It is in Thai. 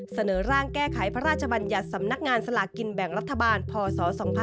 เสนอร่างแก้ไขพระราชบัญญัติสำนักงานสลากกินแบ่งรัฐบาลพศ๒๕๖๒